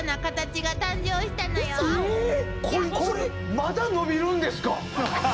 まだ伸びるんですか？